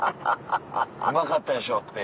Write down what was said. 「うまかったでしょ」って。